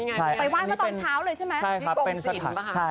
ไปไหว้มาตอนเช้าเลยใช่มั้ยที่กรกศิลป่ะ